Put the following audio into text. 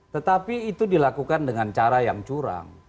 tetapi itu dilakukan dengan cara yang curang